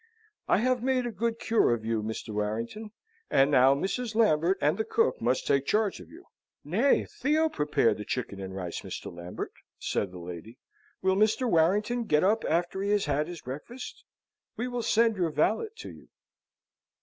"I have made a good cure of you, Mr. Warrington. And now Mrs. Lambert and the cook must take charge of you." "Nay; Theo prepared the chicken and rice, Mr. Lambert," said the lady. "Will Mr. Warrington get up after he has had his breakfast? We will send your valet to you."